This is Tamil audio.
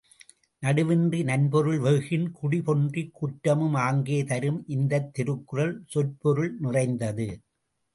நடுவின்றி நன்பொருள் வெஃகின் குடிபொன்றிக் குற்றமும் ஆங்கே தரும் இந்தத் திருக்குறள் சொற்பொருள் நிறைந்தது.